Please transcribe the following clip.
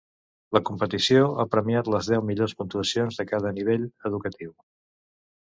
La competició ha premiat les deu millors puntuacions de cada nivell educatiu.